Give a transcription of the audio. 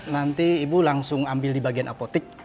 nanti ibu langsung ambil di bagian apotik